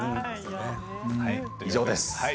以上です。